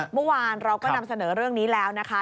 เมื่อวานเราก็นำเสนอเรื่องนี้แล้วนะคะ